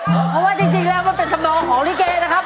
เพราะว่าจริงแล้วมันเป็นธรรมนองของลิเกนะครับ